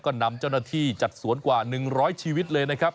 ก็นำเจ้าหน้าที่จัดสวนกว่า๑๐๐ชีวิตเลยนะครับ